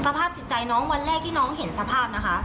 สภาพจิตใจน้องวันแรกที่น้องเห็นสภาพนะคะ